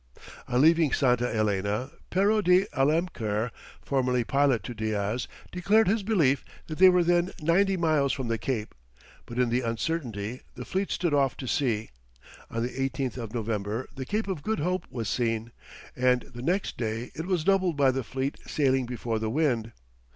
On leaving Santa Ellena, Pero de Alemquer, formerly pilot to Diaz, declared his belief that they were then ninety miles from the Cape, but in the uncertainty the fleet stood off to sea; on the 18th of November the Cape of Good Hope was seen, and the next day it was doubled by the fleet sailing before the wind.